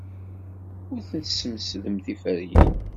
Ur tesmesdem tiferyin.